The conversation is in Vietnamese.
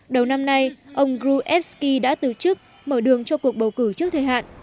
đầu năm nay ông grubevsky đã từ chức mở đường cho cuộc bầu cử trước thời hạn